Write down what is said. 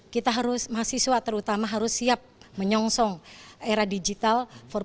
kita harus mahasiswa terutama harus siap menyongsong era digital empat